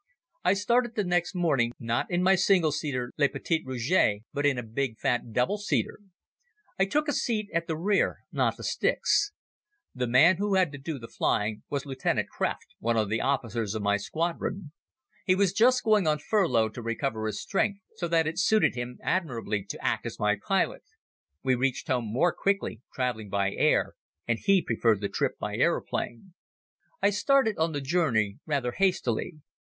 I started the next morning, not in my single seater "le petit rouge" but in a big fat double seater. I took a seat at the rear, not at the sticks. The man who had to do the flying was Lieut. Krefft, one of the officers of my squadron. He was just going on furlough to recover his strength, so that it suited him admirably to act as my pilot. He reached home more quickly traveling by air and he preferred the trip by aeroplane. I started on the journey rather hastily.